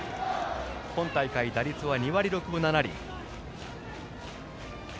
今大会、打率は２割６分７厘。